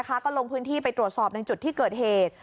ก็ลงพื้นที่ไปตรวจสอบในจุดที่เกิดเหตุ